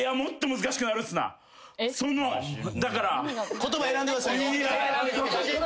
言葉選んでくださいよ。